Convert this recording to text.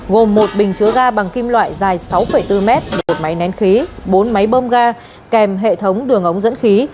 gồm một bình chứa ga bằng kim loại dài sáu bốn mét một máy nén khí bốn máy bơm ga kèm hệ thống đường ống dẫn khí